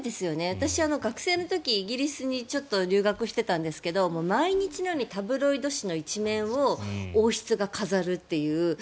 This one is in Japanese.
私は学生の時にイギリスにちょっと留学していたんですが毎日のようにタブロイド紙の１面を王室が飾るという。